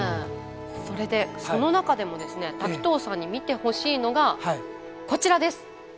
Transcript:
それでその中でもですね滝藤さんに見てほしいのがこちらです。